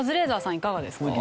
いかがですか？